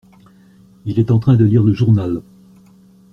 Il est en train de lire le journal.